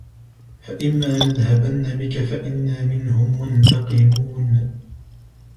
فإما نذهبن بك فإنا منهم منتقمون